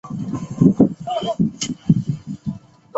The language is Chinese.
现为纽约执业律师。